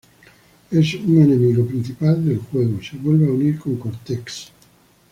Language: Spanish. Es un enemigo principal del juego; se vuelve a unir con Cortex.